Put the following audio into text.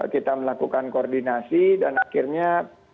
kita melakukan koordinasi dan akhirnya